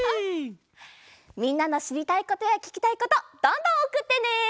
みんなのしりたいことやききたいことどんどんおくってね！